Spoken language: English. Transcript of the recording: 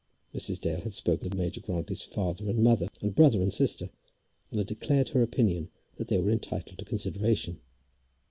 Mrs. Dale had spoken of Major Grantly's father and mother and brother and sister, and had declared her opinion that they were entitled to consideration.